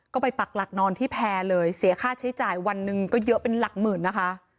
ก็ไปปักหลักนอนที่แพร่เลยเสียค่าใช้จ่ายวันหนึ่งก็เยอะเป็นหลักหมื่นนะคะ